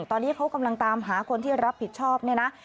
ตอนนี้เขากำลังตามหาคนที่รับผิดชอบเนี่ยนะ